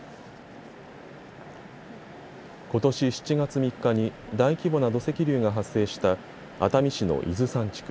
ことし７月３日に大規模な土石流が発生した熱海市の伊豆山地区。